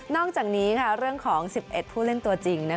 อกจากนี้เรื่องของ๑๑ผู้เล่นตัวจริง